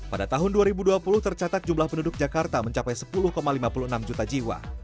pada tahun dua ribu dua puluh tercatat jumlah penduduk jakarta mencapai sepuluh lima puluh enam juta jiwa